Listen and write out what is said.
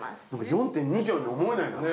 ４．２畳に思えないね。